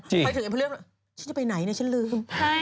ถ้าถึงเอ็มพอเลียมฉันจะไปไหนนะฉันลืม